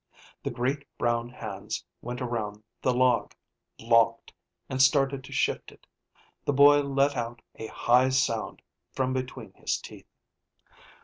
The great brown hands went around the log, locked, and started to shift it; the boy let out a high sound from between his teeth.